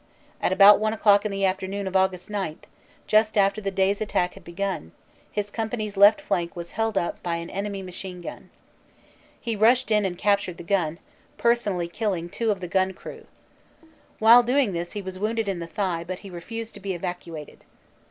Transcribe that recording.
At about one o clock in the afternoon of Aug. 9, just after the day s attack had begun, his company s left flank was held up by an enemy machine gun. He rushed in and captured the gun, personally killing two of the gun crew. While doing this he was wounded in the thigh but he refused to be evacuated.